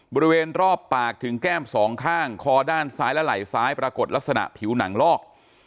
บริเวณรอบปากถึงแก้มสองข้างคอด้านซ้ายและไหล่ซ้ายปรากฏลักษณะผิวหนังลอก